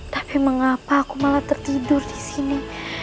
tapi mengapa aku malah tertidur di sini